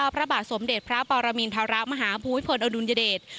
พระบาต๘๐๐พระปรมินธรและมหาภูมิฝนอนุญเดช